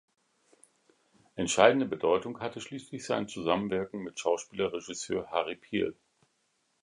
Entscheidende Bedeutung hatte schließlich sein Zusammenwirken mit Schauspieler-Regisseur Harry Piel.